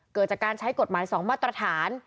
เกิดจากการใช้กฎหมาย๒มาตรฐาน